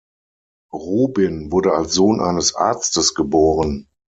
Rubin wurde als Sohn eines Arztes geboren.